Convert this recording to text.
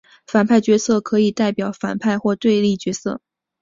反派角色可能代表反派或对立角色。